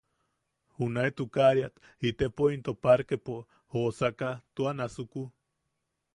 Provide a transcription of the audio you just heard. Junae tukariat itepo into parkepo joosaka, tua nasuku.